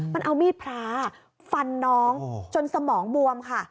มันเอามีดพระฟันน้องจนสมองบวมค่ะ